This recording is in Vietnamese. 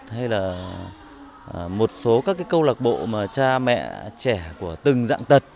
hay là một số các cái câu lạc bộ mà cha mẹ trẻ của từng dạng tật